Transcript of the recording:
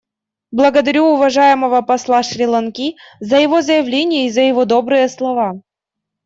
Благодарю уважаемого посла Шри-Ланки за его заявление и за его добрые слова.